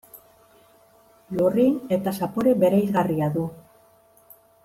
Lurrin eta zapore bereizgarria du.